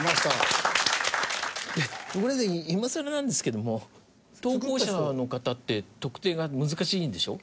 いやこれ今さらなんですけども投稿者の方って特定が難しいんでしょ？